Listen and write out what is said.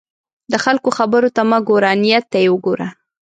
د خلکو خبرو ته مه ګوره، نیت ته یې وګوره.